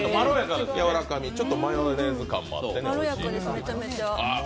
ちょっとマヨネーズ感もあってね。